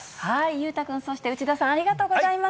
裕太君、そして内田さん、ありがとうございました。